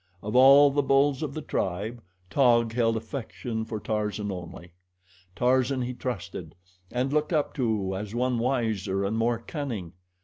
Of all the bulls of the tribe, Taug held affection for Tarzan only. Tarzan he trusted and looked up to as one wiser and more cunning.